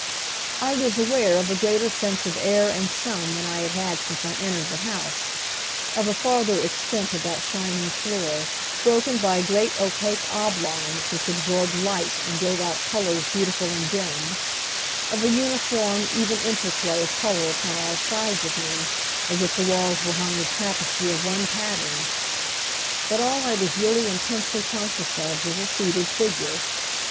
I was aware of a greater sense of air and sun than I had had since I entered the house, of a farther extent of that shining floor, broken by great opaque oblongs which absorbed light and gave out colors beautiful and dim; of a uniform even interplay of color upon all sides of me, as if the walls were hung with tapestry of one pattern; but all I was really intensely conscious of was a seated figure.